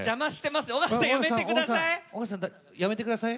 尾形さん、やめてください。